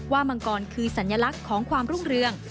มังกรคือสัญลักษณ์ของความรุ่งเรือง